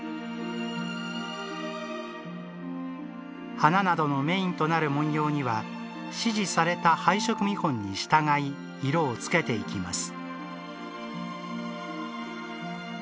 花などの、メインとなる文様には指示された配色見本に従い色をつけていきます。